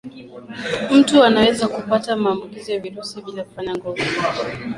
mtu anaweza kupata maambukizi ya virusi bila kufanya ngono